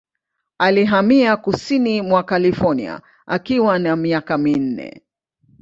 Alihamia kusini mwa California akiwa na miaka minne.